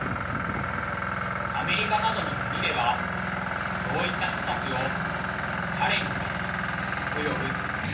アメリカなどの国ではそういった人たちを「Ｃｈａｌｌｅｎｇｅｄ」と呼ぶ。